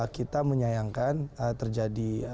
kita menyayangkan terjadi